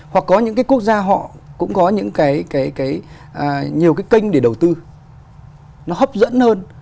hoặc có những cái quốc gia họ cũng có những cái nhiều cái kênh để đầu tư nó hấp dẫn hơn